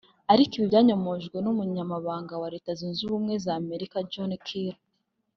Ariko ibi byanyomojwe n’Umunyamabanga wa Leta Zunze ubumwe za Amerika John Kelly